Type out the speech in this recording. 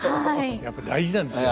やっぱり大事なんですよね。